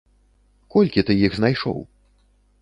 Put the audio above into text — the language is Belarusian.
Колькі ты іх знайшоў?